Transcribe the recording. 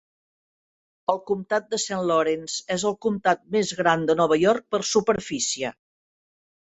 El comtat de Saint Lawrence és el comtat més gran de Nova York per superfície.